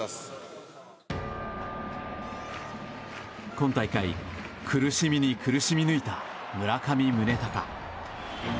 今大会、苦しみに苦しみ抜いた村上宗隆。